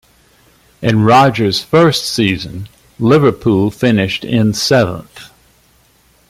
In Rodgers' first season, Liverpool finished in seventh.